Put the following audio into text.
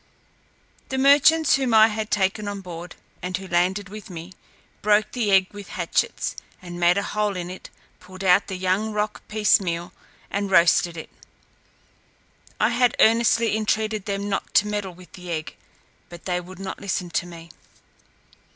The merchants whom I had taken on board, and who landed with me, broke the egg with hatchets, and made a hole in it, pulled out the young roc piecemeal, and roasted it. I had earnestly intreated them not to meddle with the egg, but they would not listen to me.